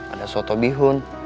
ada soto bihun